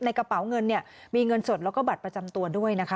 กระเป๋าเงินเนี่ยมีเงินสดแล้วก็บัตรประจำตัวด้วยนะคะ